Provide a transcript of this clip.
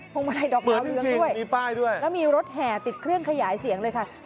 พวงมาลัยดอกเบาเหลืองด้วยและมีรถแห่ติดเคลื่อนขยายเสียงเลยค่ะมีป้ายด้วย